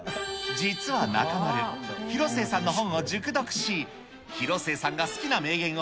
実は中丸、広末さんの本を熟読し、広末さんが好きな名言を、